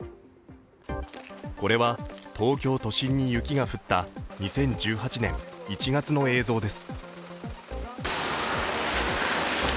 これは、東京都心に雪が降った２０１８年１月の映像です。